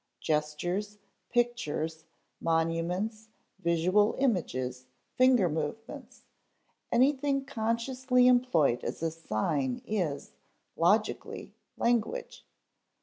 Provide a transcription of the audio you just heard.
Gestures, pictures, monuments, visual images, finger movements anything consciously employed as a sign is, logically, language.